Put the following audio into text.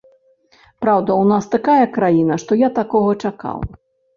Праўда, у нас такая краіна, што я такога чакаў.